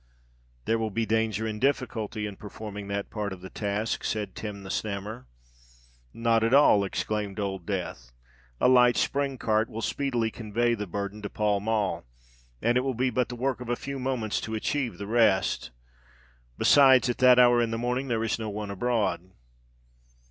"There will be danger and difficulty in performing that part of the task," said Tim the Snammer. "Not at all," exclaimed Old Death. "A light spring cart will speedily convey the burthen to Pall Mall; and it will be but the work of a few moments to achieve the rest. Besides, at that hour in the morning there is no one abroad."